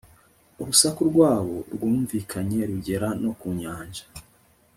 urusaku rwabo rwumvikanye rugera no ku nyanja